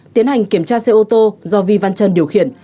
tiến hành kiểm tra xe ô tô do vi văn trân điều khiển